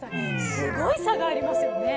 すごい差がありますよね。